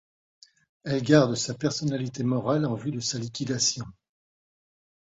Elle garde sa personnalité morale en vue de sa liquidation.